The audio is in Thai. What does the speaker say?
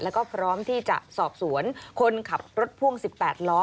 แล้วก็พร้อมที่จะสอบสวนคนขับรถพ่วง๑๘ล้อ